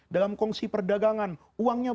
dalam kongsi perdagangan uangnya